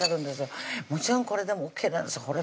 もちろんこれでもＯＫなんですほら